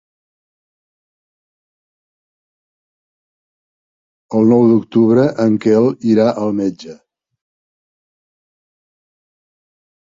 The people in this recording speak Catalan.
El nou d'octubre en Quel irà al metge.